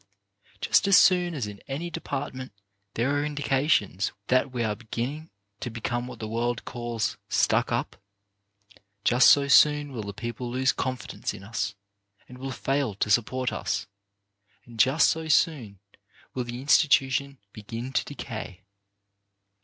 Just as soon as 33 34 CHARACTER BUILDING in any department there are indications that we are beginning to become what the world calls " stuck up, " just so soon will the people lose con fidence in us, and will fail to support us, and just so soon will the institution begin to decay.